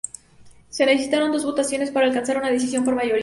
Se necesitaron dos votaciones para alcanzar una decisión por mayoría.